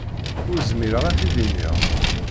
Ur zmireɣ ad t-id-iniɣ.